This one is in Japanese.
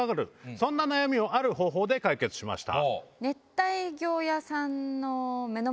そんな悩みをある方法で解決しました。